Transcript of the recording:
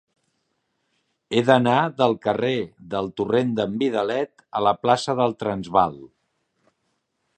He d'anar del carrer del Torrent d'en Vidalet a la plaça del Transvaal.